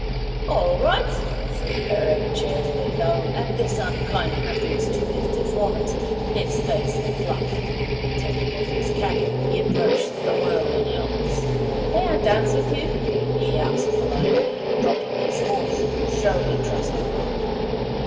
'All right,' said Peric cheerfully, though at this unkind reference to his deformity his face had flushed. And taking off his cap he approached the whirling Elves. 'May I dance with you?' he asked politely, dropping his fourche to show he trusted them.